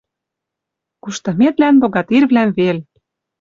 Куштыметлӓн богатырьвлӓм вел.